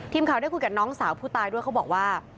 ทีมข่าวได้คุยกับน้องสาวผู้ตายด้วยเขาบอกว่า